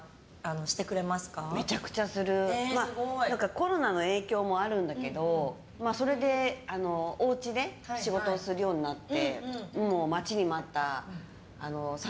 コロナの影響もあるんだけどそれでおうちで仕事をするようになって。